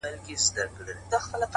د خبرې صحت بیخي خوندی دی